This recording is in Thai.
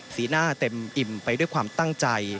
หน้าเต็มอิ่มไปด้วยความตั้งใจ